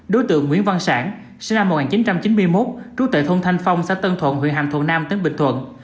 đối tượng nguyễn văn sản sinh năm một nghìn chín trăm chín mươi một trú tại khu phố ba tân thiện thị xã la ghi tỉnh bình thuận